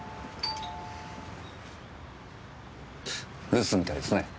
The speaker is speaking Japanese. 留守みたいですね。